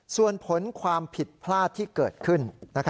ส่วนผลความผิดพลาดที่เกิดขึ้น